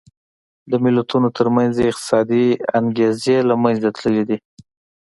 د ملتونو ترمنځ یې اقتصادي انګېزې له منځه تللې دي.